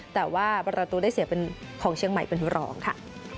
แต่ว่าประตูได้เสียเป็นของเชียงใหม่เป็นรองค่ะ